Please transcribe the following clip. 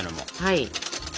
はい。